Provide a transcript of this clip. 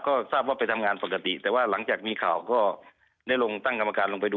ก็ทราบว่าไปทำงานปกติแต่ว่าหลังจากมีข่าวก็ได้ลงตั้งกรรมการลงไปดู